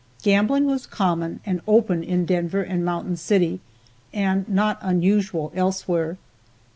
Gambling was common and open in Denver and Mountain City, and not unusual elsewhere.